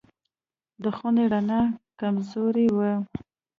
د خونې رڼا کمزورې وه.